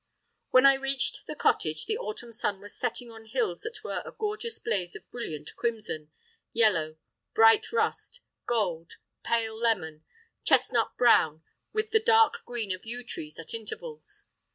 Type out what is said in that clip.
When I reached the cottage the autumn sun was setting on hills that were a gorgeous blaze of brilliant crimson, yellow, bright rust, gold, pale lemon, chestnut brown, with the dark green of yew trees at intervals.